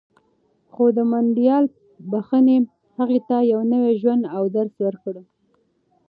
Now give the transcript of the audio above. خو د منډېلا بښنې هغه ته یو نوی ژوند او درس ورکړ.